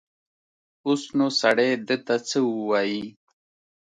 اوس نو سړی ده ته څه ووايي.